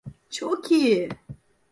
Çok iyi!